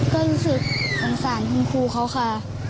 ก็รู้สึกสงสารคุณครูเขาค่ะ